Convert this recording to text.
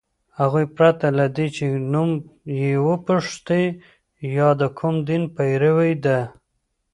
هغوی پرته له دې چي نوم یې وپوښتي یا د کوم دین پیروۍ ده